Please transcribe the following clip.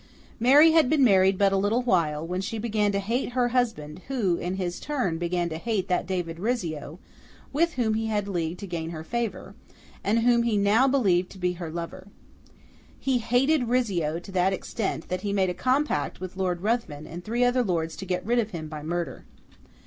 Mary had been married but a little while, when she began to hate her husband, who, in his turn, began to hate that David Rizzio, with whom he had leagued to gain her favour, and whom he now believed to be her lover. He hated Rizzio to that extent, that he made a compact with Lord Ruthven and three other lords to get rid of him by murder.